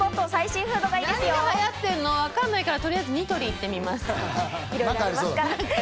何が流行ってるかわからないから、とりあえずニトリに行ってみます。